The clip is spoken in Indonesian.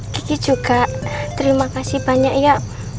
kiki juga terima kasih banyak ya